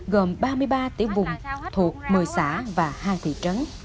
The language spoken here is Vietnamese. gồm ba mươi ba tiểu vùng thuộc một mươi xã và hai thị trấn